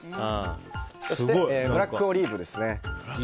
そしてブラックオリーブですね。